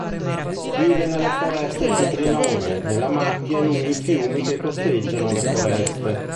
Vive nelle foreste acquitrinose, nella macchia e lungo i fiumi che costeggiano le foreste.